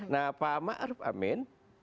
nah pak ma'ruf amin